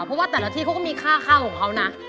เพราะว่าแต่ละที่เขาก็มีค่าข้าวของเขานะ